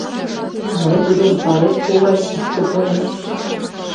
Мый тудым, палет, кувай, кушко пуэм?